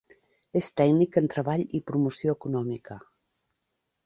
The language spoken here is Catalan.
És tècnic en treball i promoció econòmica.